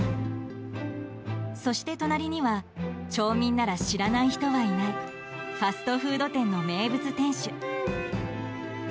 そして隣には町民なら知らない人はいないファストフード店の名物店主。